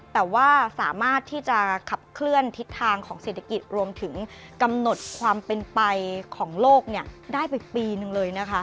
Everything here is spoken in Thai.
แต่ว่าสามารถที่จะขับเคลื่อนทิศทางของเศรษฐกิจรวมถึงกำหนดความเป็นไปของโลกได้ไปปีนึงเลยนะคะ